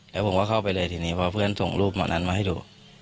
แล้วผมก็เข้าไปเลยทีนี้พอเพื่อนส่งรูปเหมาะนั้นมาให้ดู